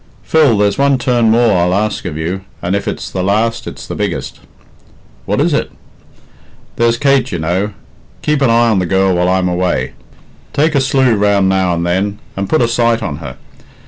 "Phil, there's one turn more I'll ask of you, and, if it's the last, it's the biggest." "What is it?" "There's Kate, you know. Keep an eye on the girl while I'm away. Take a slieu round now and then, and put a sight on her.